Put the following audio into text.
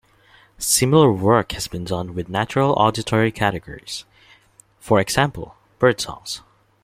Similar work has been done with natural auditory categories, for example, bird songs.